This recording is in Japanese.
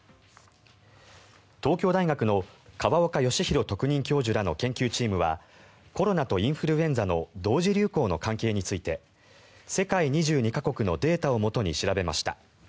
東京大学の河岡義裕特任教授らの研究チームはコロナとインフルエンザの同時流行の関係について世界２２か国のデータをもとに調べました。